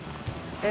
えっ